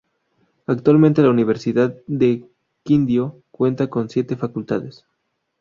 Actualmente la Universidad del Quindío cuenta con siete facultades.